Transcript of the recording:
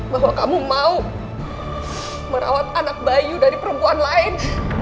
bahwa kamu mau merawat anak bayu dari perempuan lain